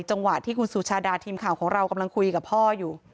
จังหวะที่คุณสุชาดาทีมข่าวของเรากำลังคุยกับพ่ออยู่